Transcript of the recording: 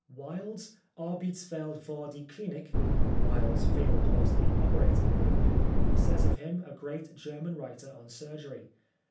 " Wilde's Arbeitsfeld war die Khnik " (Wilde's field was the operating room), says of him a great German writer on surgery.